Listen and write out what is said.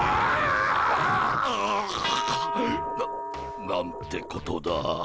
ななんてことだ。